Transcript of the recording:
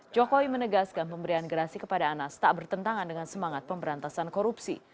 joko widodo menegaskan pemberian grasi kepada anas tak bertentangan dengan semangat pemberantasan korupsi